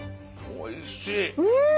おいしい！